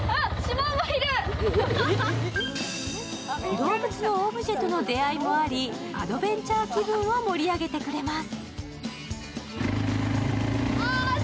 動物のオブジェとの出会いもあり、アドベンチャー気分を盛り上げてくれます。